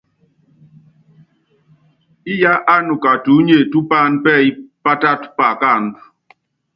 Íyá ánuka tuúnye tú paán pɛ́ɛ́y pátát paakándɔ́.